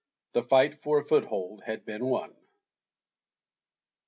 The fight for a foothold had been won.